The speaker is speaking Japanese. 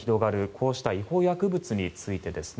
こうした違法薬物についてです。